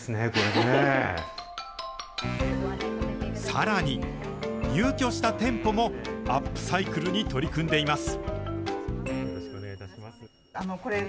さらに、入居した店舗もアップサイクルに取り組んでいます。